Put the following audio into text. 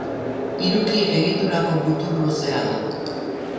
Hiruki egiturako mutur luzea du.